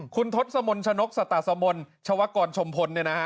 คุณทศมนศ์ชะนกสตสมนศ์ชวกรชมพลเนี่ยนะฮะ